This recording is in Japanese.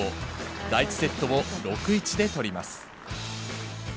第１セットを６ー１で取ります。